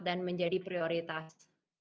dan menjadi prioritas